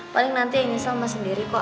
paling nanti yang nyesel mas sendiri kok